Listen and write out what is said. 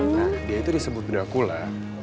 nah dia itu disebut bracula